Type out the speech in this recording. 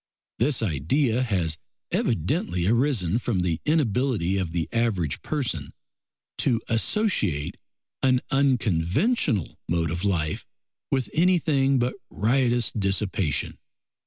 This idea has evidently arisen from the inability of the average person to associate an unconventional mode of life with anything but riotous dissipation.